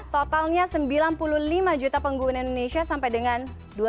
totalnya sembilan puluh lima juta pengguna indonesia sampai dengan dua ribu dua puluh